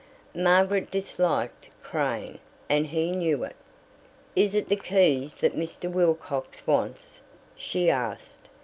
Margaret disliked Crane, and he knew it. "Is it the keys that Mr. Wilcox wants?" she asked.